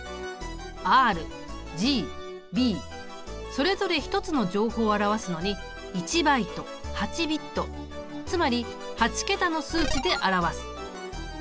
ＲＧＢそれぞれ一つの情報を表すのにつまり８桁の数値で表す。